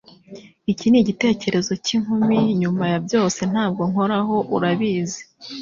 Iki nigitekerezo cyinkumi nyuma ya byose Ntabwo nkoraho urabizi